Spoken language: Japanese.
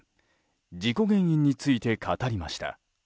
事故原因について語りました。